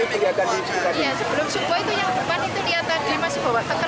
belum sempat itu yang berban itu di atas